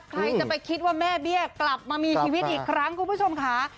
ใครจะไปคิดว่าแม่เบี้ยกลับมามีชีวิตอีกครั้งคุณผู้ชมค่ะ